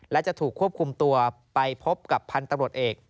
และจะถูกควบคุมตัวไปพบกับพันธุ์ตำรวจเอก